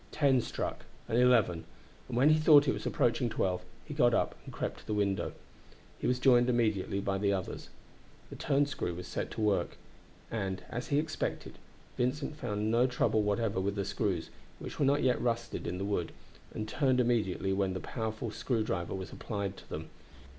Ten struck, and eleven, and when he thought it was approaching twelve he got up and crept to the window. He was joined immediately by the others; the turn screw was set to work; and, as he expected, Vincent found no trouble whatever with the screws, which were not yet rusted in the wood, and turned immediately when the powerful screw driver was applied to them.